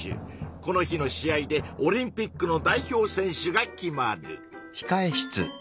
この日の試合でオリンピックの代表選手が決まる。